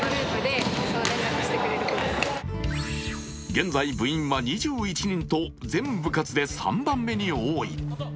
現在、部員は２１人と全部活で３番目に多い。